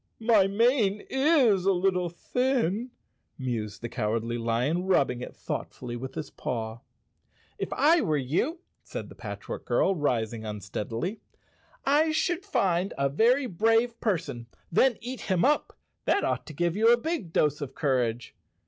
"My mane is a little thin," mused the Cowardly Lion, rubbing it thoughtfully with his paw. "If I were you," said the Patchwork Girl, rising un¬ steadily, "I should find a very brave person and then eat him up. That ought to give you a big dose of cour¬ age."